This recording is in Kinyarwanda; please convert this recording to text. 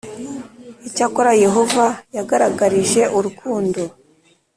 Icyakora Yehova yagaragarije urukundo